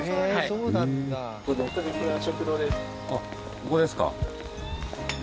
ここですか？